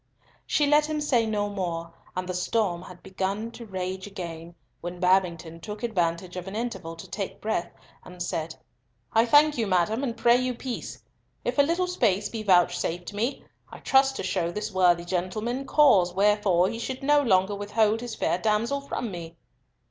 She let him say no more, and the storm had begun to rage again, when Babington took advantage of an interval to take breath, and said, "I thank you, madam, and pray you peace. If a little space be vouchsafed me, I trust to show this worthy gentleman cause wherefore he should no longer withhold his fair damsel from me."